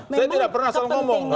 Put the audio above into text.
saya tidak pernah selalu ngomong